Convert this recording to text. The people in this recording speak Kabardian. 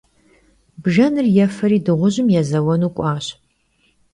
Bjjenır yêferi dığujım yêzeuenu k'uaş.